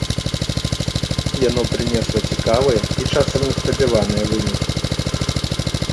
Яно прынесла цікавыя і часам неспадзяваныя вынікі.